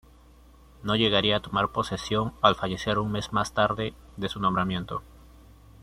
No llegaría a tomar posesión al fallecer un mes más tarde de su nombramiento.